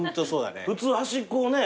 普通端っこをね。